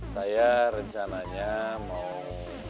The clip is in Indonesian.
saya rencananya mau